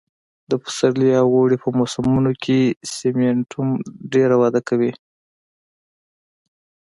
د پسرلي او اوړي په موسمونو کې سېمنټوم ډېره وده کوي